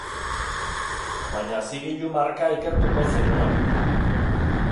Baina zigilu marka ikertuko zenuen.